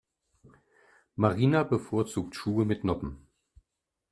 Marina bevorzugt Schuhe mit Noppen.